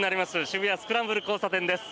渋谷・スクランブル交差点です。